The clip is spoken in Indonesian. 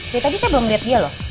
dari tadi saya belum lihat dia loh